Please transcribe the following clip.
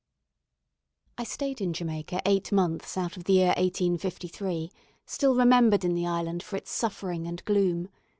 I stayed in Jamaica eight months out of the year 1853, still remembered in the island for its suffering and gloom.